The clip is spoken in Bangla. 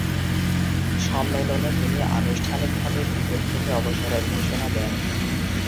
সম্মেলনে তিনি আনুষ্ঠানিকভাবে ক্রিকেট থেকে অবসরের ঘোষণা দেন।